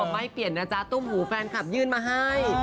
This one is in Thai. ไม่เปลี่ยนนะจ๊ะตุ้มหูแฟนคลับยื่นมาให้